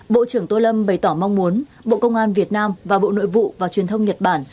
bộ trưởng tô lâm bày tỏ mong muốn bộ công an việt nam và bộ nội vụ và truyền thông nhật bản